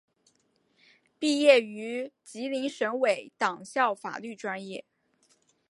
毕业于吉林省委党校法律专业。